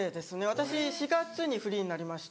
私４月にフリーになりまして。